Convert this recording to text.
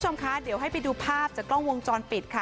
คุณผู้ชมคะเดี๋ยวให้ไปดูภาพจากกล้องวงจรปิดค่ะ